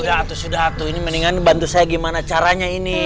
sudah atau sudah atu ini mendingan bantu saya gimana caranya ini